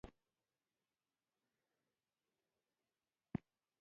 له موږ سره وغږېد